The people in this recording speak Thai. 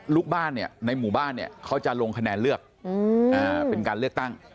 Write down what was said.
ลูกบ้านเนี่ยในหมู่บ้านเนี่ยเขาจะลงคะแนนเลือกเป็นการเลือกตั้ง